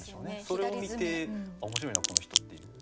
それを見て面白いなこの人っていう。